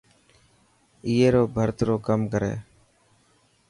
اي رو ڀرت رو ڪم ڪري.